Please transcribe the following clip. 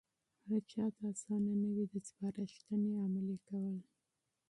هرچاته آسانه نه وي د سپارښتنې عملي کول.